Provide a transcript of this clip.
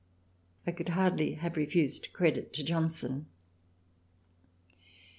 I could hardly have refused credit to Johnson.